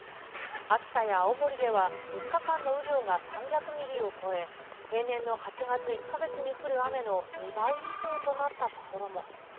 秋田や青森では、３日間の雨量が３００ミリを超え、平年の８月１か月に降る雨の２倍以上となった所も。